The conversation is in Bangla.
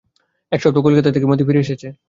এক সপ্তাহ কলিকাতায় থেকে মতি ফিরে এসেছে।